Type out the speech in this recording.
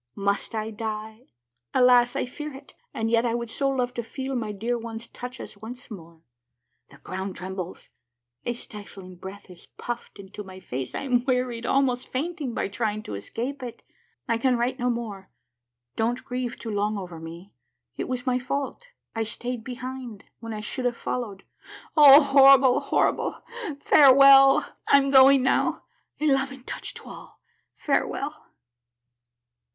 Must I die ? Alas, I fear it ! and yet I would so love to feel my dear ones' touches once more ! The ground trembles ; a stifling breath is puffed into my face ; I am wearied, almost fainting, by trying to escape it. I can write no more. Don't grieve too long over me. It was my fault. I stayed behind, when I should have followed. Oh, horrible, horrible ! Farewell ! I'm going now. A loving touch to all — farewell